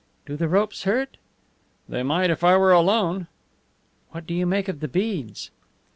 "Do the ropes hurt?" "They might if I were alone." "What do you make of the beads?"